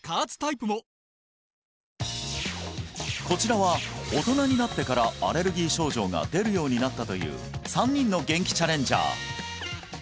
こちらは大人になってからアレルギー症状が出るようになったという３人のゲンキチャレンジャー